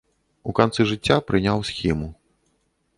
У канцы жыцця прыняў схіму.